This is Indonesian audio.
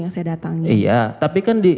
yang saya datangi iya tapi kan di